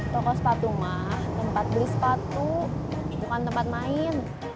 toko sepatu mah tempat beli sepatu bukan tempat main